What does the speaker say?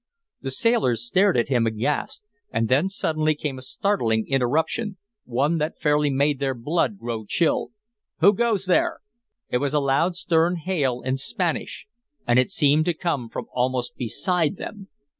The sailors stared at him aghast; and then suddenly came a startling interruption one that fairly made their blood grow chill. "Who goes there?" It was a loud, stern hail in Spanish, and it seemed to come from almost beside them!